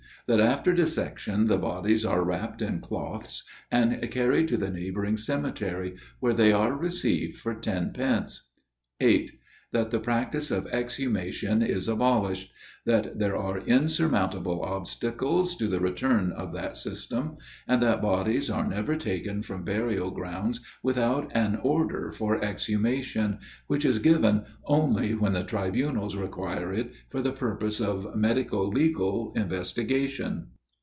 That after dissection, the bodies are wrapt in cloths, and carried to the neighbouring cemetery, where they are received for ten pence. 8. That the practice of exhumation is abolished: that there are insurmountable obstacles to the return of that system, and that bodies are never taken from burial grounds, without an order for exhumation, which is given only when the tribunals require it for the purpose of medico legal investigation.